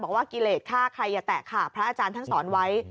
บอกว่ากิเลสฆ่าใครอย่าแตะค่ะพระอาจารย์ท่านสอนไว้